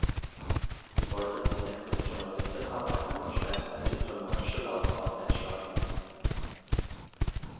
Sie wollte zunächst als Journalistin arbeiten und später eine diplomatische Laufbahn einschlagen.